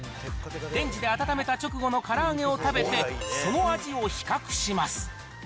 レンジで温めた直後のから揚げを食べて、その味を比較します。